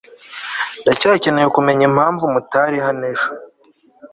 ndacyakeneye kumenya impamvu mutari hano ejo